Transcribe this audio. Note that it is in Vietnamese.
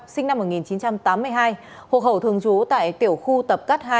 sinh năm một nghìn chín trăm tám mươi hai hộp hầu thường trú tại tiểu khu tập cát hai